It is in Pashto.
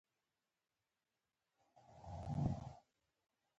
کور تباه سوی د حبیبیانو